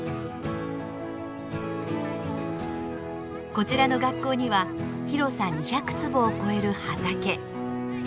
こちらの学校には広さ２００坪を超える畑。